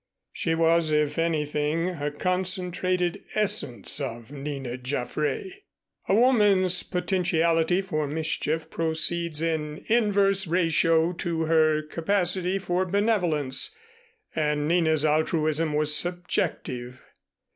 She was, if anything, a concentrated essence of Nina Jaffray. A woman's potentiality for mischief proceeds in inverse ratio to her capacity for benevolence, and Nina's altruism was subjective.